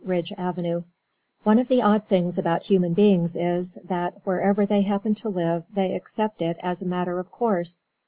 RIDGE AVENUE One of the odd things about human beings is, that wherever they happen to live they accept it as a matter of course.